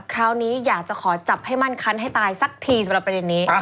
คราวนี้อยากจะขอจับให้มั่นคันให้ตายสักทีสำหรับประเด็นนี้